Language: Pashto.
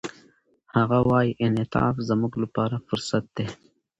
هغه وايي، انعطاف زموږ لپاره فرصت دی.